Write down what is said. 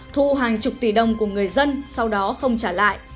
thu hàng chục tỷ đồng của người dân sau đó không trả lại